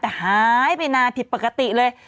แต่หายไปนานผิดปกติเลย